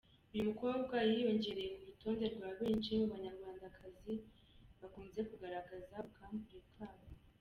Uyu mukobwa yiyongereye ku rutonde rwa benshi mu banyarwandakazi bakunze kugaragaza ubwambure bwabo.